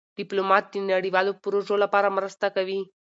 ډيپلومات د نړیوالو پروژو لپاره مرسته کوي.